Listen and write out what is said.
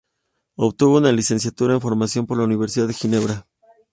Obtuvo una licenciatura en farmacia por la Universidad de Ginebra.